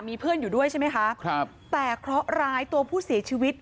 มีเพื่อนอยู่ด้วยใช่ไหมคะครับแต่เคราะห์ร้ายตัวผู้เสียชีวิต